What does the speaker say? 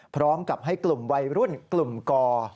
พร้อมกับให้กลุ่มวัยรุ่นกลุ่มก